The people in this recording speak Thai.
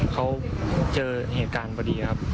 เขาเจอเหตุการณ์พอดีครับ